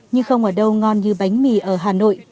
nhưng không ở đâu ngon như bánh mì ở hà nội